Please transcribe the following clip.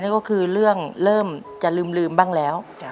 ก็คือเรื่องเริ่มจะลืมบ้างแล้ว